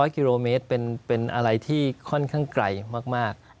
๐กิโลเมตรเป็นอะไรที่ค่อนข้างไกลมาก